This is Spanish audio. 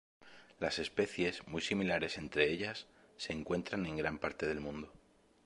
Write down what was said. Las especies, muy similares entre ellas, se encuentran en gran parte del mundo.